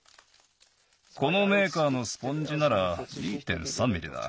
このメーカーのスポンジなら２．３ミリだ。